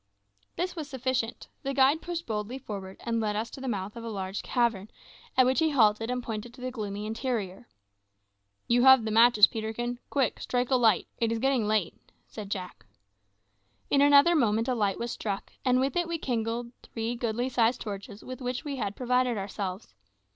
This was sufficient. The guide pushed boldly forward, and led us to the mouth of a large cavern, at which he halted and pointed to the gloomy interior. "You have the matches, Peterkin; quick, strike a light. It is getting late," said Jack. In another moment a light was struck, and with it we kindled three goodly sized torches with which we had provided ourselves.